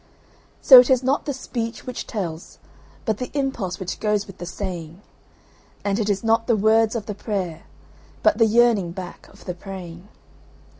So it is not the speech which tells, but the impulse which goes with the saying; And it is not the words of the prayer, but the yearning back of the praying.